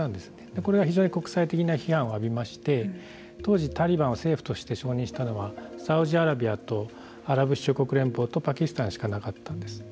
これが非常に国際的な批判を浴びまして当時、タリバンを政府として承認したのはサウジアラビアとアラブ首長国連邦とパキスタンしかなかったんです。